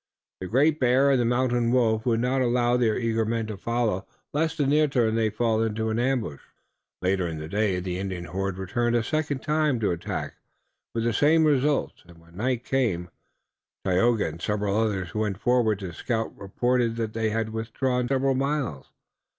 The Great Bear and the Mountain Wolf would not allow their eager men to follow, lest in their turn they fall into an ambush. Later in the day the Indian horde returned a second time to the attack, with the same result, and when night came Tayoga and several others who went forward to scout reported that they had withdrawn several miles.